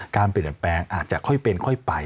การเปลี่ยนแปลงอาจจะค่อยเป็นค่อยไป